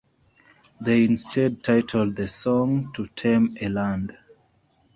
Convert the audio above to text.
They instead titled the song "To Tame a Land".